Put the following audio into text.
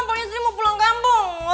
pokoknya saya mau pulang kampung